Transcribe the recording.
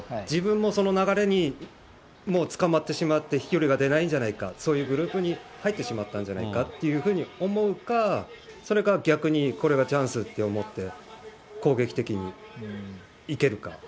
自分もその流れにもう、つかまってしまって、飛距離が出ないんじゃないか、そういうグループに入ってしまったんじゃないかっていうふうに思うか、それか逆に、これがチャンスって思って、攻撃的にいけるか。